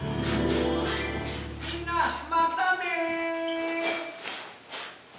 みんなまたね！